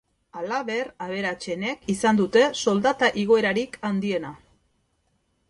Halaber, aberatsenek izan dute soldata igoerarik handiena.